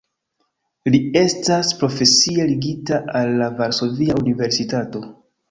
Li estas profesie ligita al la Varsovia Universitato.